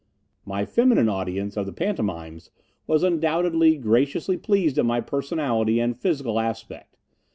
My feminine audience of the pantomimes was undoubtedly graciously pleased at my personality and physical aspect.